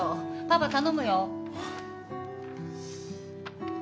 パパ頼むよ。